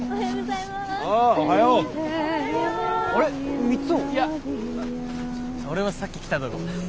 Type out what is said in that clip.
いや俺もさっき来たとご。